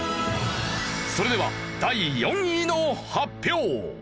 それでは第４位の発表。